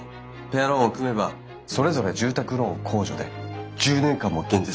ペアローンを組めばそれぞれ住宅ローン控除で１０年間も減税されます。